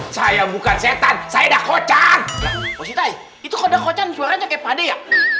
saya bukan setan saya udah kocan itu kode kocan suaranya kayak pade ya